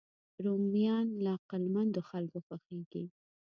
رومیان له عقلمندو خلکو خوښېږي